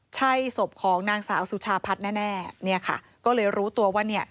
ใช่ศพของนางสาวสุชาพัฒน์แน่เนี่ยค่ะก็เลยรู้ตัวว่าเนี่ย